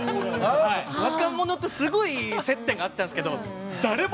若者とすごい接点があったんですけど